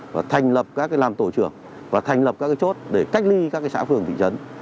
và thành lập các làm tổ trưởng và thành lập các chốt để cách ly các xã phường thị trấn